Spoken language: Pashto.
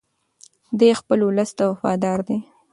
دی خپل ولس ته وفادار دی.